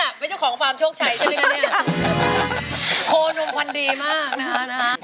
ลักษณะไม่ใช่ของฟาร์มโชคชัยใช่ไหมโคนมควันดีมากนะครับ